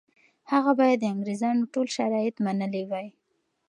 هغه باید د انګریزانو ټول شرایط منلي وای.